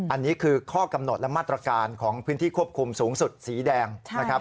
อันนี้คือข้อกำหนดและมาตรการของพื้นที่ควบคุมสูงสุดสีแดงนะครับ